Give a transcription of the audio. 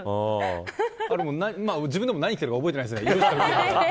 自分でも何を着ているか覚えていないです。